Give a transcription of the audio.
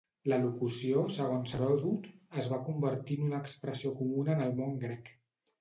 La locució, segons Heròdot, es va convertir en una expressió comuna en el món grec.